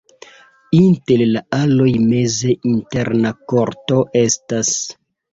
Inter la aloj meze interna korto estas.